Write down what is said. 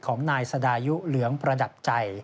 ของนายสดายุเหลืองประดับใจ